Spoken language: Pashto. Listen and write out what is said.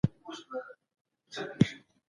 ښوونځی د ماشومانو د نوښت ملاتړ کوي.